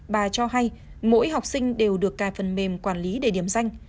bà cho hay mỗi học sinh đều được cài phần mềm quản lý để điểm danh